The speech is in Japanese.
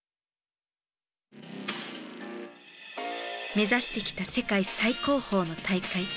目指してきた世界最高峰の大会。